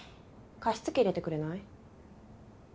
加湿器入れてくれない？